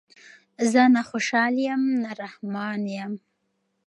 زه نه خوشحال یم زه نه رحمان یم